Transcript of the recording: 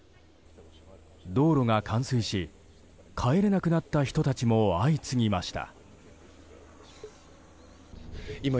道路が冠水し帰れなくなった人たちも相次ぎました。